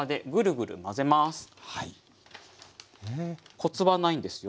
コツはないんですよ。